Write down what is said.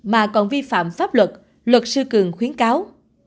mà còn vi phạm pháp luật luật sư cường khuyến cáo